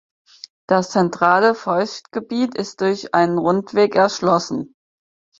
Das zentrale Feuchtgebiet ist durch einen Rundweg erschlossen.